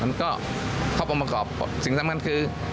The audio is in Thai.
มันก็เข้าองค์ประกอบสิ่งสำคัญคือ